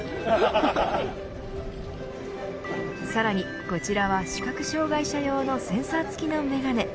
さらにこちらは視覚障害者用のセンサー付きの眼鏡。